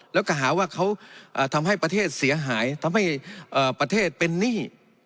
แล้วก็หาว่าเขาทำให้ประเทศเสียหายทำให้ประเทศเป็นหนี้